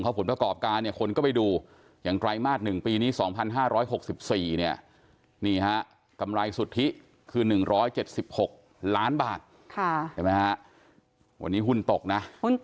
วันนี้หุ้นตกนะ